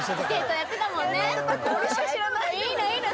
いいのいいの！